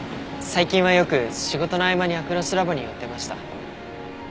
最近はよく仕事の合間にアクロスラボに寄ってました。